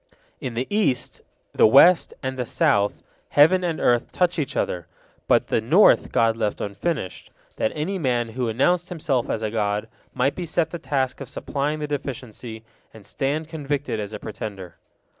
In the east, the west, and the south, heaven and earth touch each other, but the north God left unfinished, that any man who announced himself as a god might be set the task of supplying the deficiency, and stand convicted as a pretender.